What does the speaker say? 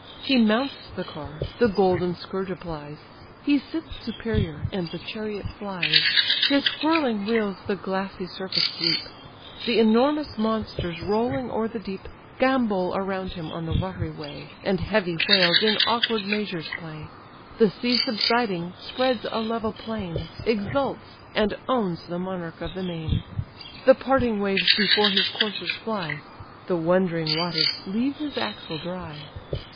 He mounts the car, the golden scourge applies, He sits superior, and the chariot flies: His whirling wheels the glassy surface sweep; The enormous monsters rolling o'er the deep Gambol around him on the watery way, And heavy whales in awkward measures play; The sea subsiding spreads a level plain, Exults, and owns the monarch of the main; The parting waves before his coursers fly; The wondering waters leave his axle dry.